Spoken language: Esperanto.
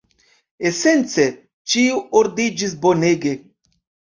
Esence, ĉio ordiĝis bonege.